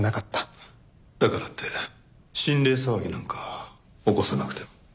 だからって心霊騒ぎなんか起こさなくても。